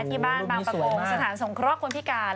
ที่บ้านบางประกงสถานสงเคราะห์คนพิการ